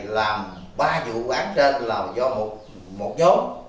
làm ba vụ án trên là do một nhóm